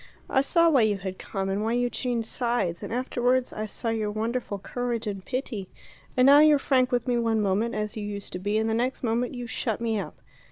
I saw why you had come, and why you changed sides, and afterwards I saw your wonderful courage and pity. And now you're frank with me one moment, as you used to be, and the next moment you shut me up.